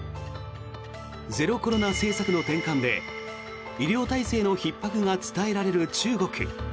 ゼロコロナ政策の転換で医療体制のひっ迫が伝えられる中国。